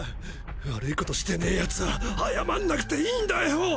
悪い事してねェ奴は謝んなくていいんだよォ。